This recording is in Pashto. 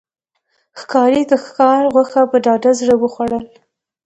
ښکاري د ښکار غوښه په ډاډه زړه وخوړل.